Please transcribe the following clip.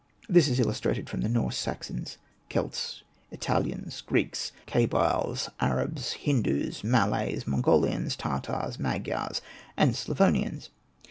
This is illustrated from the Norse, Saxons, Celts, Italians, Greeks, Kabyles, Arabs, Hindus, Malays, Mongolians, Tar tars, Magyars, and Slavonians.